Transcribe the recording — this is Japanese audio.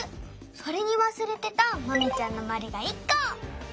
それにわすれてたマミちゃんのまるが１こ！